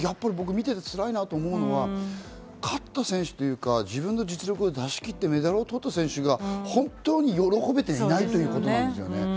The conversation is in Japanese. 僕、見ててつらいなと思うのが勝った選手というか、自分の実力を出し切って、メダルを取った選手が本当に喜べていないということなんですね。